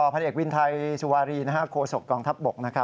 พันเอกวินไทยสุวารีโคศกกองทัพบก